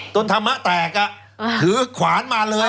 ต้นธรรมะแตกอ่ะถือขวานมาเลย